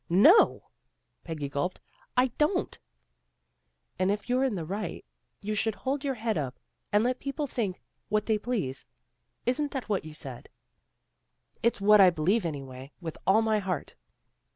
" No! " Peggy gulped. " I don't." " And if you're in the right, you should hold your head up and let people think what they please. Isn't that what you said? "" It's what I believe, anyway, with all my heart."